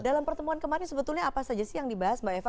dalam pertemuan kemarin sebetulnya apa saja sih yang dibahas mbak eva